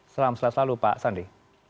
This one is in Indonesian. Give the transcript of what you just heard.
salam selalu selalu mp sandi